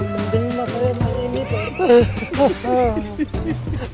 yang penting mah saya mah ini pak rt